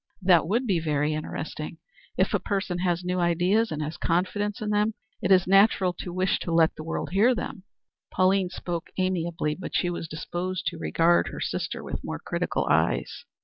"That would be very interesting. If a person has new ideas and has confidence in them, it is natural to wish to let the world hear them." Pauline spoke amiably, but she was disposed to regard her sister with more critical eyes.